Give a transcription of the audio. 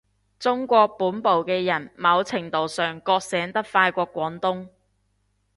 中國本部嘅人某程度上覺醒得快過廣東